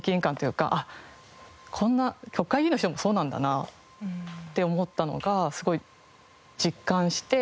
「あっこんな国会議員の人もそうなんだな」って思ったのがすごい実感して。